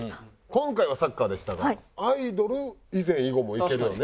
今回はサッカーでしたがアイドル以前以後もいけるよね。